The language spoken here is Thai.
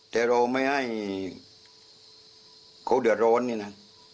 แต่เราไม่ให้เขาเดือดร้อนนี่นะ